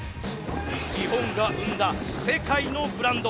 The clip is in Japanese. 日本が生んだ世界のブランド